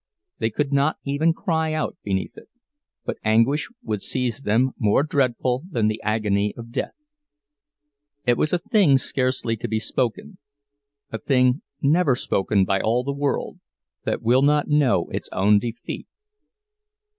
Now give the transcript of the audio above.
They could not even cry out beneath it; but anguish would seize them, more dreadful than the agony of death. It was a thing scarcely to be spoken—a thing never spoken by all the world, that will not know its own defeat.